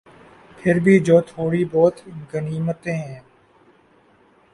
پھر بھی جو تھوڑی بہت غنیمتیں ہیں۔